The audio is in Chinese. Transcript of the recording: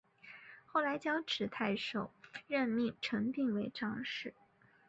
后来交趾太守士燮任命程秉为长史。